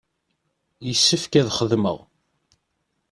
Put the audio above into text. Yessefk ad xedmeɣ.